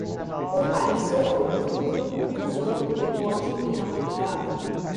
Compareceu ao culto usando um decote inapropriado